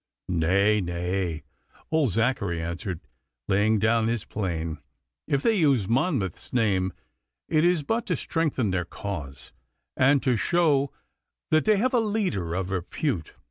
'Nay, nay,' old Zachary answered, laying down his plane. 'If they use Monmouth's name, it is but to strengthen their cause, and to show that they have a leader of repute.